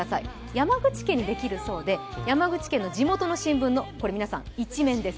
山口県にできるそうで、山口県の地元新聞の１面です。